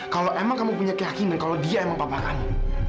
kalau emang kamu punya keyakinan kalau dia emang papa kamu